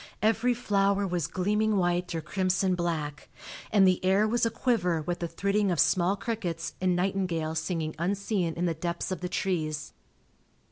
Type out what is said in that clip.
Every flower was gleaming white or crimson black, and the air was aquiver with the thridding of small crickets and nightingales singing unseen in the depths of the trees.